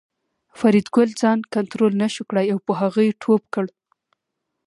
فریدګل ځان کنترول نشو کړای او په هغه یې ټوپ کړ